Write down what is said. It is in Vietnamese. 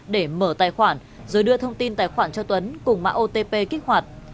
để mở tài khoản rồi đưa thông tin tài khoản cho tuấn cùng mạng otp kích hoạt